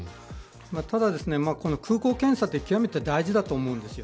ただ、空港検査は極めて大事だと思うんです。